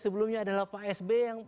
sebelumnya adalah pak sb yang